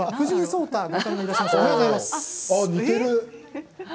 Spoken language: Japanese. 似ている。